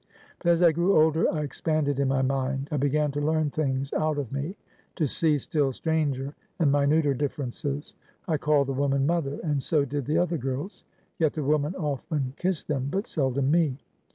But as I grew older, I expanded in my mind. I began to learn things out of me; to see still stranger, and minuter differences. I called the woman mother, and so did the other girls; yet the woman often kissed them, but seldom me.